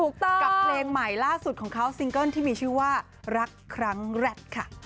กับเพลงใหม่ล่าสุดของเขาซิงเกิ้ลที่มีชื่อว่ารักครั้งแรกค่ะ